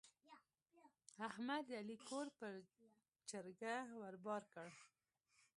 احمد د علي کور پر چرګه ور بار کړ.